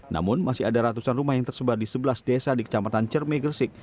namun masih ada ratusan rumah yang tersebar di sebelas desa di kecamatan cermi gresik